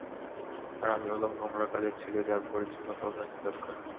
আর আমি হলাম নোংরা কাজের ছেলে, যার পরিচ্ছন্নতা ও শাস্তি দরকার।